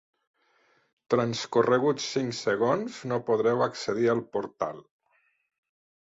Transcorreguts cinc segons no podreu accedir al portal.